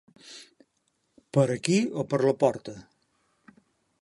Per aquí o per la porta.